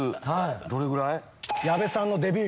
どれぐらい？